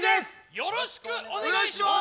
よろしくお願いします！